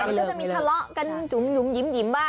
แต่มันก็จะมีทะเลาะกันยิ้มบ้าง